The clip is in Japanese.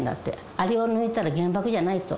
あれを抜いたら原爆じゃないと。